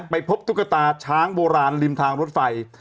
ไปพบตุ๊กตาช้างโบราณริมทางรถไฟ